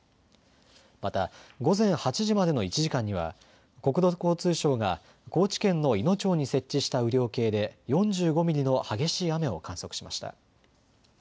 また午前８時までの１時間には国土交通省が高知県のいの町に設置した雨量計で４５ミリの激しい雨を観測しました。